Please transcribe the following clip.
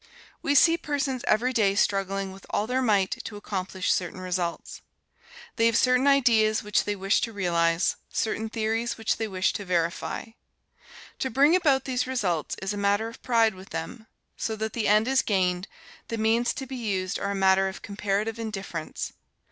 We see persons every day struggling with all their might to accomplish certain results. They have certain ideas which they wish to realize, certain theories which they wish to verify. To bring about these results, is a matter of pride with them. So that the end is gained, the means to be used are a matter of comparative indifference.